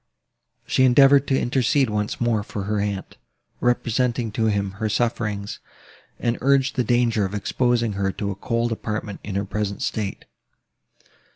She endeavoured to intercede once more for her aunt, represented to him her sufferings, and urged the danger of exposing her to a cold apartment in her present state.